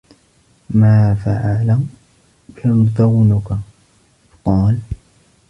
مَا فَعَلَ بِرْذَوْنُك ؟ قَالَ